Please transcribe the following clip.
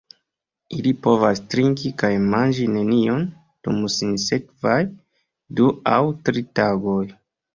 Ili povas trinki kaj manĝi nenion dum sinsekvaj du aŭ tri tagoj.